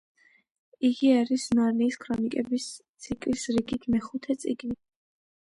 იგი არის ნარნიის ქრონიკების ციკლის რიგით მეხუთე წიგნი.